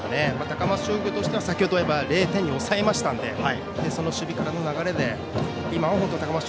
高松商業としては先程、０点に抑えましたのでその守備からの流れで高松